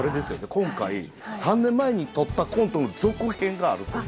今回３年前に撮ったコントの続編があるという。